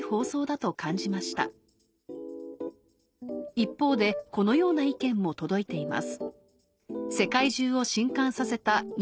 一方でこのような意見も届いています